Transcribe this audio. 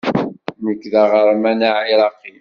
Nekk d aɣerman aɛiraqi.